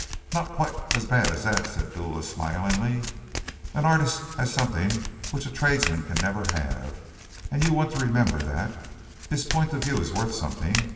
"Not quite as bad as that," said Dula smilingly. "An artist has something which a tradesman can never have you want to remember that. His point of view is worth something.